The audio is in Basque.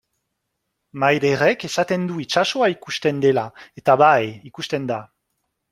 Maiderrek esaten du itsasoa ikusten dela, eta bai, ikusten da.